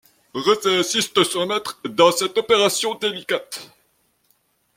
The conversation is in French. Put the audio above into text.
Horace assiste son maître dans cette opération délicate.